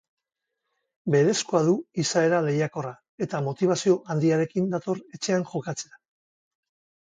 Berezkoa du izaera lehiakorra, eta motibazio handiarekin dator etxean jokatzera.